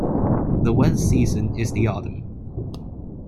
The wettest season is the autumn.